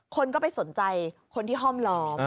คนก็ไปสนใจคนที่ห้อมล้อม